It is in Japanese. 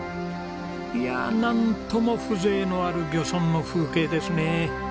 いやなんとも風情のある漁村の風景ですね。